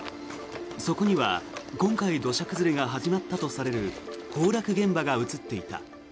そこには今回土砂崩れが始まったとされる崩落現場が映っていた。